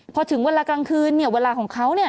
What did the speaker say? พอถึงเวลากลางคืนเวลาของเขา